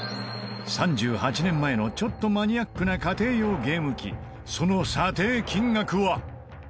３８年前のちょっとマニアックな家庭用ゲーム機その査定金額は？